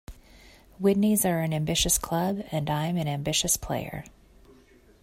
Widnes are an ambitious club and I'm an ambitious player.